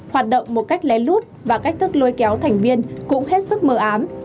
hoạt động một cách lén lút và cách thức lôi kéo thành viên cũng hết sức mờ ám